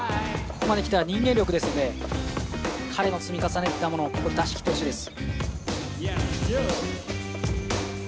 ここまできたら人間力ですので彼の積み重ねてきたものをここで出しきってほしいです。